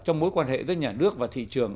trong mối quan hệ giữa nhà nước và thị trường